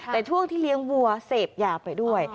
แต่ช่วงที่เลี้ยงวัวเสพยาไปด้วย